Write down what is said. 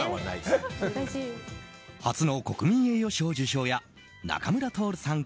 初の国民栄誉賞受賞や仲村トオルさん